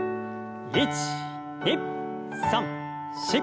１２３４。